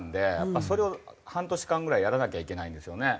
それを半年間ぐらいやらなきゃいけないんですよね。